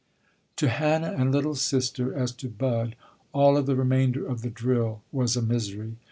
To Hannah and "little sister," as to Bud, all of the remainder of the drill was a misery.